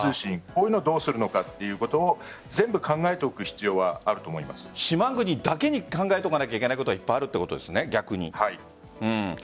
こういうのをどうするのかということを全部考えておく必要はあると島国だけに考えておかなければいけないこといっぱいあるわけですね、逆に。